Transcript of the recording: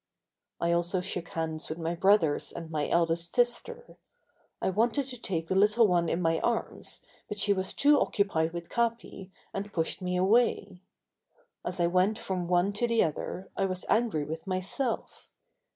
I also shook hands with my brothers and my eldest sister. I wanted to take the little one in my arms but she was too occupied with Capi and pushed me away. As I went from one to the other I was angry with myself.